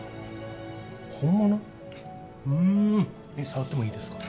触ってもいいですか？